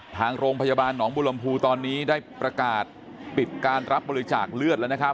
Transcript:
ทางโรงพยาบาลหนองบุรมภูตอนนี้ได้ประกาศปิดการรับบริจาคเลือดแล้วนะครับ